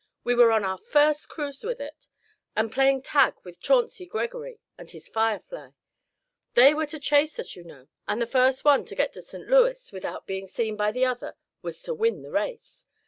We were on our first cruise with it, and playing tag with Chauncey Gregory and his Firefly. They were to chase us, you know, and the first one to get to St. Louis without being seen by the other was to win the race.